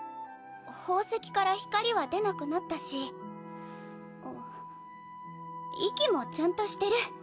宝石から光は出なくなったしんっ息もちゃんとしてる。